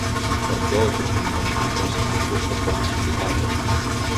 Porque outros, como consecuencia dese concurso, foron adxudicados.